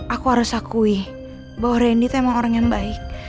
aku harus akui bahwa randy itu emang orang yang baik